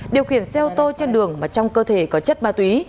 điều khiển xe ô tô trên đường mà trong cơ thể có chất ma túy